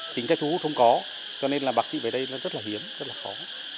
chính trách thu hút không có cho nên là bác sĩ về đây rất là hiếm rất là khó